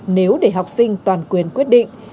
nếu để học sinh toàn quyền quyết định